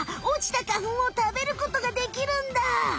おちた花ふんを食べることができるんだ！